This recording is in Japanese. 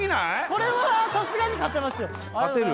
これはさすがに勝てますよ勝てる？